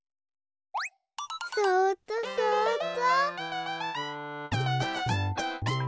そうっとそうっと。